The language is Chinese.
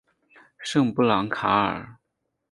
圣布朗卡尔。